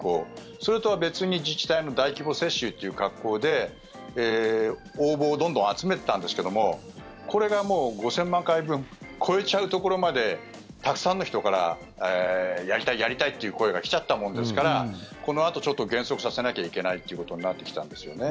それとは別に自治体の大規模接種という格好で応募をどんどん集めてたんですけどもこれが５０００万回分を超えちゃうところまでたくさんの人からやりたい、やりたいっていう声が来ちゃったものですからこのあとちょっと減速させなきゃいけないっていうことになってきたんですよね。